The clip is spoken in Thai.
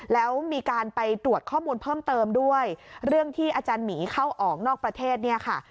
แล้วมีการไปตรวจข้อมูลเพิ่มเติมด้วยเรื่องที่อาจารย์หมีเข้าออกนอกประเทศเนี่ยค่ะ